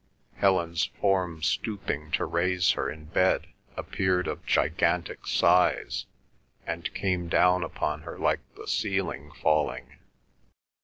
Helen's form stooping to raise her in bed appeared of gigantic size, and came down upon her like the ceiling falling.